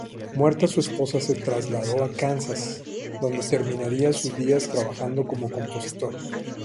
Muerta su esposa, se trasladó a Kansas, donde terminaría sus días trabajando como compositor.